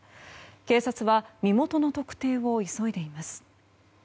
警察は身元の特定を急いでいます。